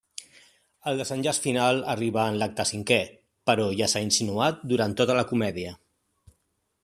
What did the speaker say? El desenllaç final arriba en l'acte cinquè, però ja s'ha insinuat durant tota la comèdia.